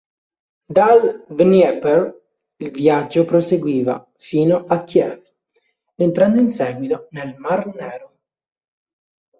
Dal Dnieper il viaggio proseguiva fino a Kiev, entrando in seguito nel mar Nero.